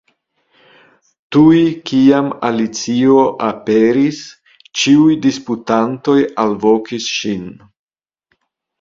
Tuj kiam Alicio aperis, ĉiuj disputantoj alvokis ŝin.